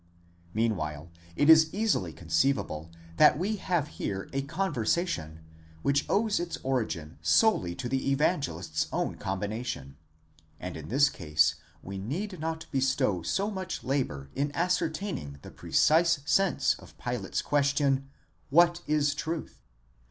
Meanwhile it is easily conceivable that we have here a conversation, which owes its origin solely to the Evange list's own combination, and in this case we need not bestow so much labour in ascertaining the precise sense of Pilate's question: what is truth?